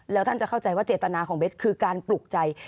แล้วท่านจะเข้าใจว่าเจตนาของเบสคือการปลุกใจ